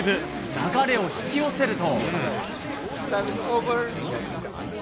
流れを引き寄せると。